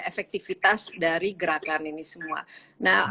efektivitas dari gerakan ini semua